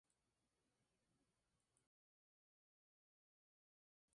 Es comúnmente conocido como el tamarindo de hojas chicas.